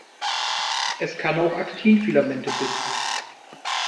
Es kann auch Aktinfilamente binden.